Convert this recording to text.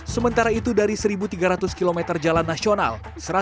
sementara itu dari satu tiga ratus km jalan nasional